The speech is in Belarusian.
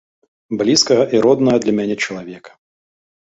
Блізкага і роднага для мяне чалавека.